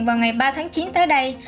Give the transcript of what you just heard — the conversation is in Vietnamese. vào ngày ba tháng chín tới đây